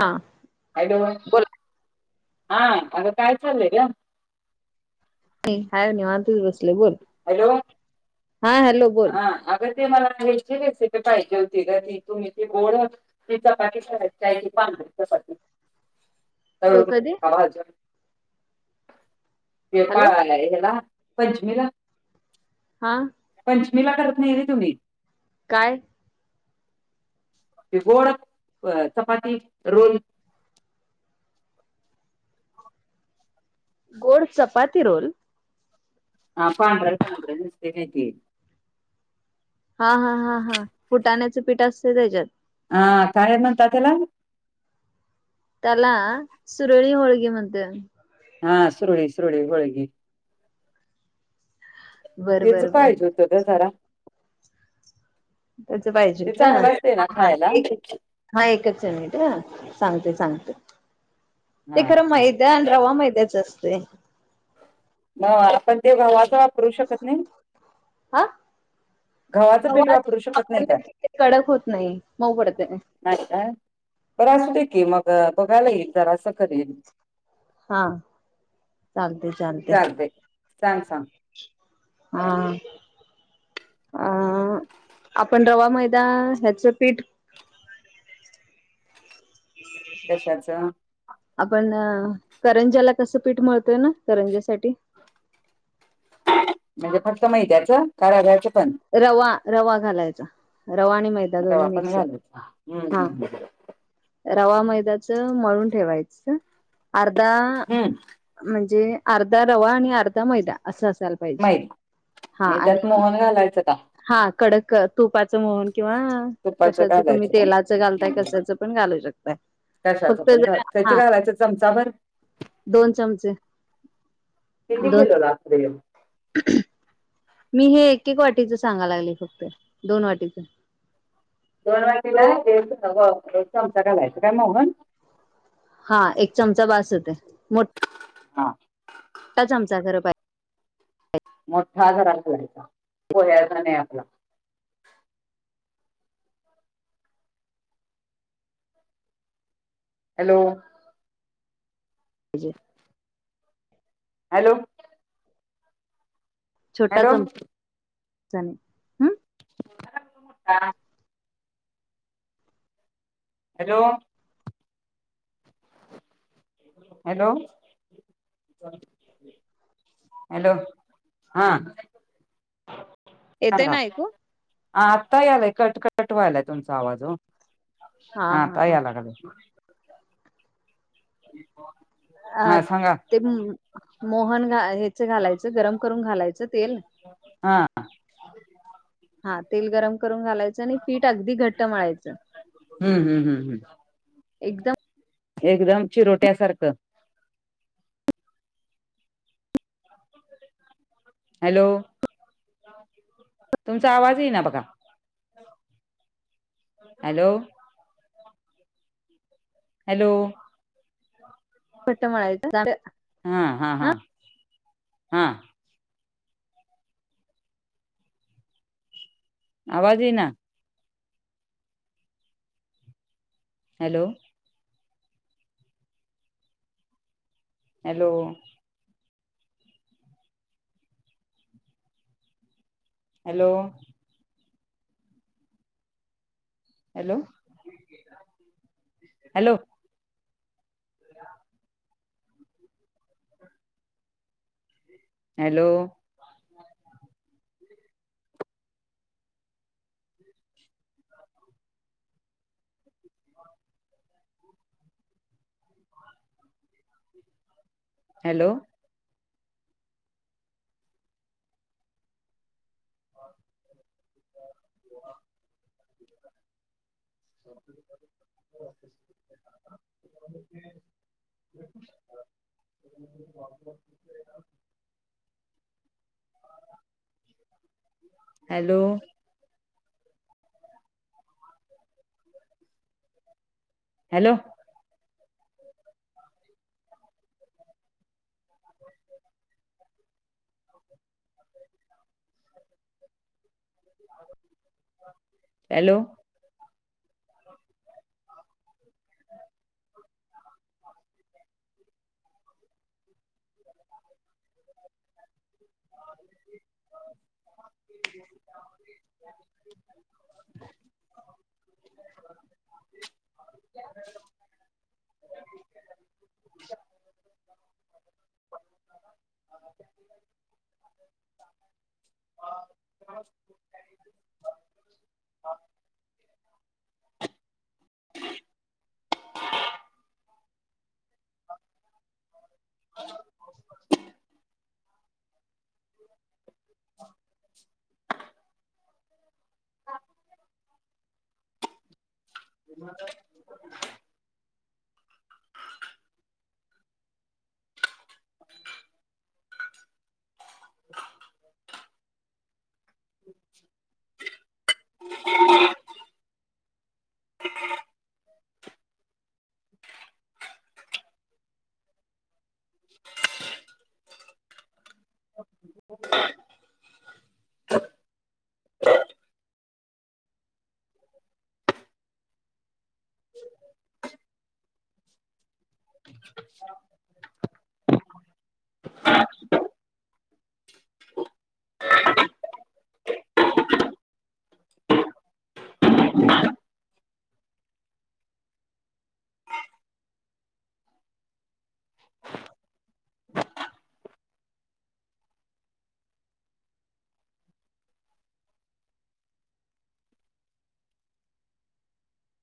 हा हॅलो बोला हा अगं काय चाललंय ग... हाय हे बघ निवांत येऊन बसले बोल.... हॅलो.... हा हॅलो.... बोल ह अग ते मला ह्याची रेसिपी पाहिजे होती ती तुम्ही त गोड त चपातीच पाां चपाती को- कधी तर हॅलो वपाळ हेला [unintelligible] पंचम ला [unintelligible] हा पंचमीला करत नाही होय तुम्ही काय गोड अ चपाती रोल गोड चपाती रोल हा पांढरा पांढर नसतय काय ते हा हा हा हा फुटाण्याचं पीठ असते त्याच्यात हा काय मनतात त्याला त्याला सुरळी होळगी म्हण हा सुरळी सुरळी होळगी बर तेच बर बर पाहिजे का जरा त्याच पाहिजे ते होत चांगलं असते ना हा खायला एक हा एकच मीनिट सांगते सांगते ते हा खरं चांगलं मैदा आणि रवा मैद्याच असते म आपण तेव्हा वाज वा करू शकत नाही [unintelligible] हा गवाचं पीठ गव्हा वापरू शकत नाही काय वापरलं की ते कडक होत नाही मऊ पडते नाही काय बर असुदै की मग बघायला एकल ज असं करेल हा चालते चालते चालतंय. सांग सांग हा अ आपण रवा मैदा ह्याचं पीठ कशाचं आपण करंजाला कसं पीठ मिळतोय ना करंज्यासाठी म्हणजे फक्त मेद्याचं काय रव्याचं पण रवा रवा घालायचा रवा आणि माहि रवा पण घालू हम रवा मैदाचं मळून ठेवायच अर्धा हम्म म्हणजे अर्धा रवा आणि अर्धा मैदा असं असायला पाहिजे मैदा हा त्यात आणि मोहन घालायचं का हा कडक तुपाचं मळून किंवा तुपाचं कशाचं तुम्ही घालायचं का? तेलाचं घालताय कशाचं पण घालू शकताय कशात फक्त पण जर त्याची हा घालायचं चमचा भर दोन चमचे किती दोन किलो लागतय मी हे एक एक वाटीच सांगा लागले फक्त दोन वाटीचं दोन वाटीला तो एक चमचा घालायचं का मोहन हा एक चमचा बास होतेय हा त्याच आमचा घर पाहिजे मोठा घरा घोलायचा पोयाचा नाही आपला [unintelligible] हॅलो जे [unintelligible] हॅलो छोटा हॅलो चमचा हम् [inaudible] [unintelligible] हॅलो हॅलो. हॅलो हा. येते सांगाा ना ऐकू आत्ता आलाय कटकट व्हायलाय तुमचा आवाज हो. हा तयलागल. ह. अ ते मोहन घा ह्याच घालायचं गरम करून घालायचं तेल. हा. हा तेल गरम करून घालायचं आणि. फीट अगदी घट्ट म्हळायचं हम्म हम्म हम्म हम्म एकदम. एकदम चिरोट्यासारखं. हॅलो तुमचा आवाज ये ना बघा. हॅलो. हॅलो. पट म य. हा हा हा हा. आवाज ये ना. Hello. Hello hello. Hello hello. ह. हॅलो. हॅलो. स. हॅलो. हॅलो. [inaudible] हॅलो. [inaudible] [inaudible] ह [inaudible] [inaudible] [inaudible] हम् [inaudible] हा [inaudible] ह [inaudible] [inaudible] [inaudible] [inaudible] [inaudible] [inaudible]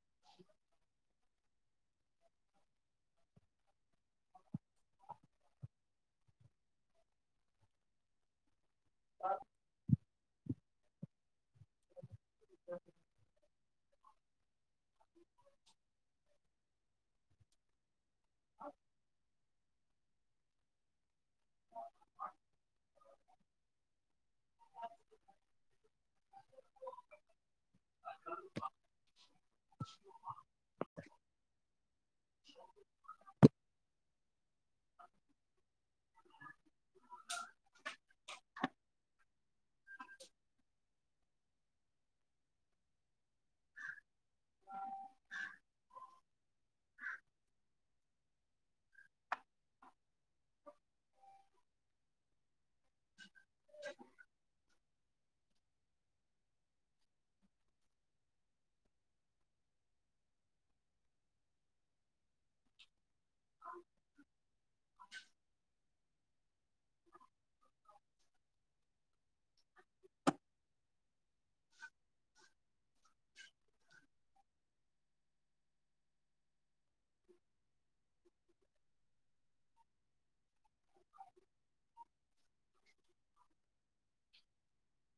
[inaudible] [inaudible] [inaudible] हा [inaudible] [inaudible] [inaudible] [inaudible] [inaudible] [inaudible] [inaudible] [inaudible] [inaudible] ह